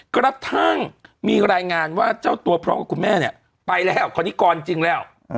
กระทั่งมีรายงานว่าเจ้าตัวพร้อมกับคุณแม่เนี่ยไปแล้วคณิกรจริงแล้ว